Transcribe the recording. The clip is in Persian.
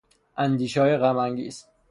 اندیشههای غم انگیز